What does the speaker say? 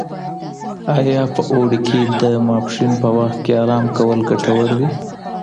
ایا په اوړي کي د ماسپښین په وخت کي ارام کول ګټور دي؟